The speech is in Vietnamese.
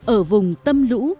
ở vùng tâm lũ